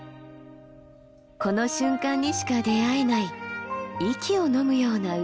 この瞬間にしか出会えない息をのむような美しさ。